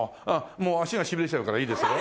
もう足がしびれちゃうからいいですよ。